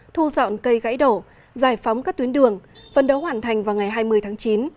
thu dọn cây gãy đổ giải phóng các tuyến đường phân đấu hoàn thành vào ngày hai mươi tháng chín